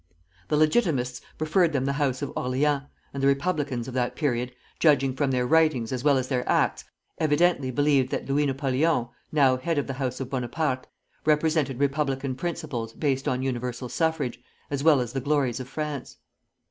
The Legitimists preferred them the house of Orleans, and the republicans of that period judging from their writings as well as their acts evidently believed that Louis Napoleon, now head of the house of Bonaparte, represented republican principles based on universal suffrage, as well as the glories of France.